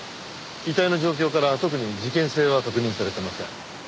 遺体の状況から特に事件性は確認されてません。